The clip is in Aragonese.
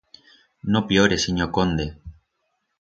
No plore, sinyor conde.